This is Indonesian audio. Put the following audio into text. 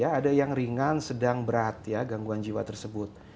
ada yang ringan sedang berat ya gangguan jiwa tersebut